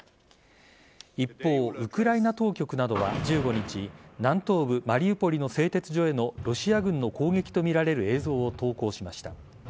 一方ウクライナ当局などは１５日南東部・マリウポリの製鉄所へのロシア軍の攻撃とみられる映像を投稿しました。